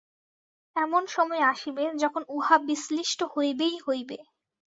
এমন সময় আসিবে, যখন উহা বিশ্লিষ্ট হইবেই হইবে।